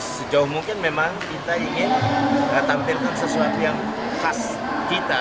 sejauh mungkin memang kita ingin tampilkan sesuatu yang khas kita